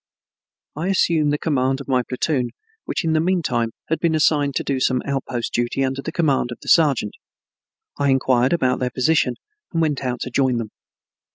I assumed the command of my platoon which in the mean time had been assigned to do some outpost duty under the command of the sergeant. I inquired about their position and went out to join them.